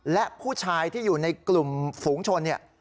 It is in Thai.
และผู้ชายที่อยู่ในกลุ่มฝูงชนเนี่ย